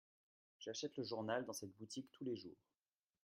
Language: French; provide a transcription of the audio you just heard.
J'achète le journal dans cette boutique tous les jours.